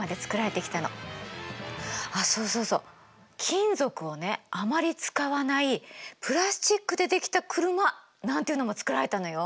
金属をねあまり使わないプラスチックで出来た車なんていうのも作られたのよ。